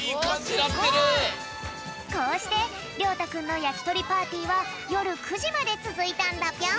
こうしてりょうたくんのやきとりパーティーはよる９じまでつづいたんだぴょん。